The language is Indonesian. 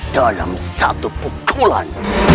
dalam satu pukulan